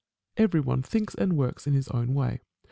Met. Every one thinks and works in his own way.